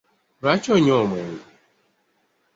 Lwaki onywa omwenge?